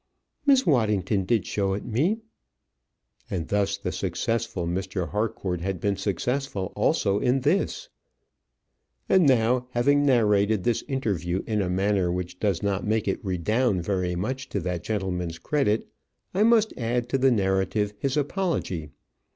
"Miss Waddington did show it to me." And thus the successful Mr. Harcourt had been successful also in this. And now, having narrated this interview in a manner which does not make it redound very much to that gentleman's credit, I must add to the narrative his apology.